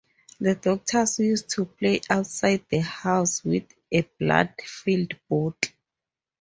The daughters used to play outside the house with a blood filled bottle.